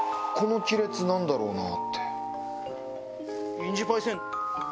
インジパイセン。